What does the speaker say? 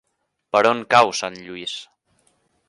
Per on cau Sant Lluís?